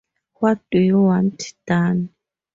What do you want done?